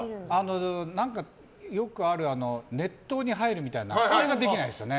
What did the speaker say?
よくある熱湯に入るみたいなのはできないですよね。